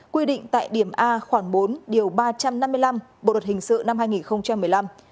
quy định tại điểm a khoảng bốn điều ba trăm năm mươi năm bộ luật hình sự năm hai nghìn một mươi năm